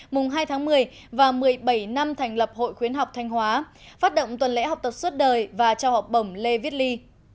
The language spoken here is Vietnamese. mùng hai tháng một mươi và một mươi bảy năm thành lập hội khuyến học thanh hóa phát động tuần lễ học tập suốt đời và trao học bổng lê viết ly